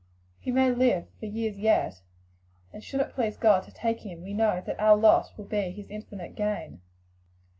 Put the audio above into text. he may live for years yet, and should it please God to take him, we know that our loss will be his infinite gain."